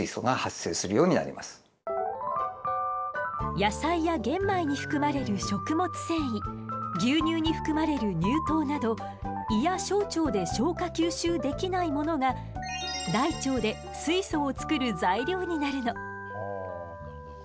野菜や玄米に含まれる「食物繊維」牛乳に含まれる「乳糖」など胃や小腸で消化吸収できないものが大腸で水素を作る材料になるの。